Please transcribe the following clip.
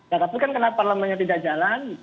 ya tapi kan karena parlemennya tidak jalan